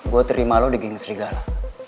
gue terima lo di geng serigala